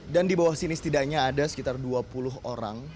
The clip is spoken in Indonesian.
dan di bawah sini setidaknya ada sekitar dua puluh orang